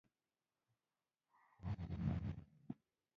خو د چېپسو په خوله منډل يې هم نه هېرول.